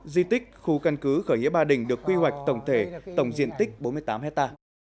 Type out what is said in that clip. di tích khu căn cứ khởi nghĩa ba đình được quy hoạch tổng thể tổng diện tích bốn mươi tám hectare